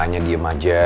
aku nanya diem aja